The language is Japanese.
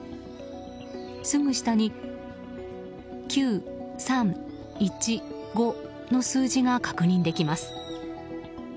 すぐ下に「９３１５」の数字が確認できます。